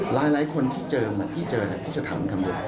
หลายคนที่เจอแกจะถามคำหรือ